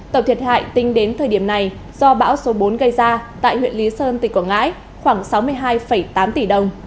tổng thiệt hại tính đến thời điểm này do bão số bốn gây ra tại huyện lý sơn tỉnh quảng ngãi khoảng sáu mươi hai tám tỷ đồng